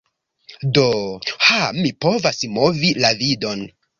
Do... ha mi povas movi la vidon.